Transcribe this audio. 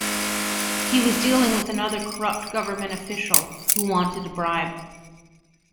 He was dealing with another corrupt government official who wanted a bribe.